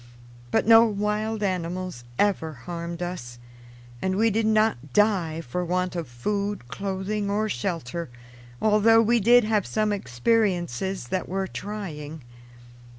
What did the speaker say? But no wild animals ever harmed us, and we did not die for want of food, clothing, or shelter, although we did have some experiences that were trying.